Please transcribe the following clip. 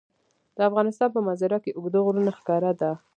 د افغانستان په منظره کې اوږده غرونه ښکاره ده.